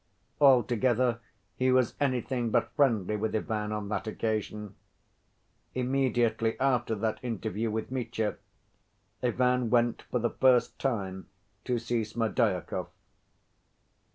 Altogether he was anything but friendly with Ivan on that occasion. Immediately after that interview with Mitya, Ivan went for the first time to see Smerdyakov.